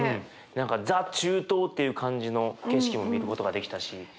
何かザ・中東っていう感じの景色も見ることができたし。